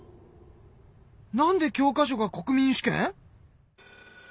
なんで教科書が国民主権？